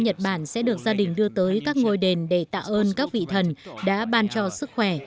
nhật bản sẽ được gia đình đưa tới các ngôi đền để tạ ơn các vị thần đã ban cho sức khỏe